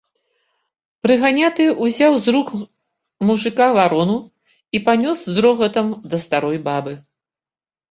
Прыганяты ўзяў з рук мужыка варону і панёс з рогатам да старой бабы.